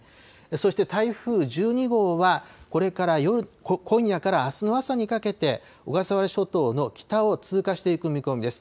そして台風１２号は、これから今夜からあすの朝にかけて、小笠原諸島の北を通過していく見込みです。